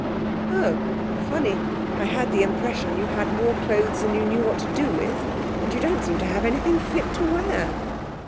'Oh! Funny, I had the impression you had more clothes than you knew what to do with, and you don't seem to have anything fit to wear.'